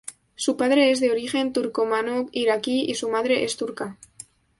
Su padre es de origen turcomano iraquí y su madre es turca.